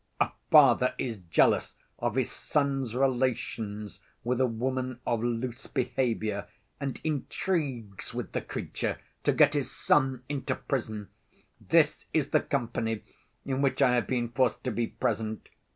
A father is jealous of his son's relations with a woman of loose behavior and intrigues with the creature to get his son into prison! This is the company in which I have been forced to be present!